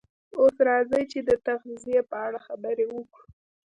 اوس راځئ چې د تغذیې په اړه خبرې وکړو